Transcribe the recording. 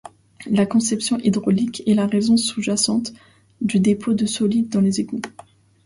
La conception hydraulique est la raison sous-jacente du dépôt de solides dans les égouts.